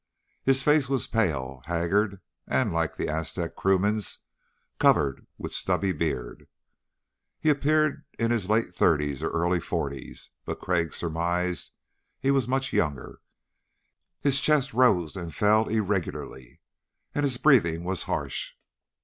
His face was pale, haggard and, like the Aztec crewmen's, covered with stubbly beard. He appeared in his late thirties or early forties but Crag surmised he was much younger. His chest rose and fell irregularly and his breathing was harsh.